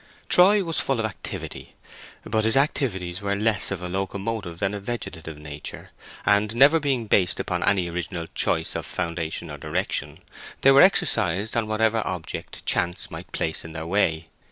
Troy was full of activity, but his activities were less of a locomotive than a vegetative nature; and, never being based upon any original choice of foundation or direction, they were exercised on whatever object chance might place in their way.